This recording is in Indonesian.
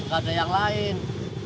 gak ada yang lain